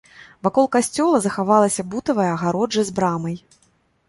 Вакол касцёла захавалася бутавая агароджа з брамай.